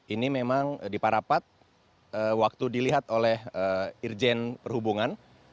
ini memang diparapat waktu dilihat oleh irjen perhubungan